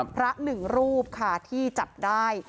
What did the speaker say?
พระ๑รูปค่ะที่จับได้